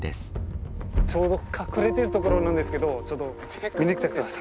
ちょうど隠れてる所なんですけどちょっと見に来てください。